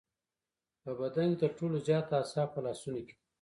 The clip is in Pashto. په بدن کې تر ټولو زیات اعصاب په لاسونو کې دي.